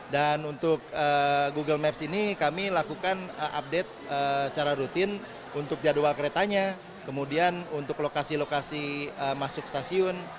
dan untuk google maps ini kami lakukan update secara rutin untuk jadwal keretanya kemudian untuk lokasi lokasi masuk stasiun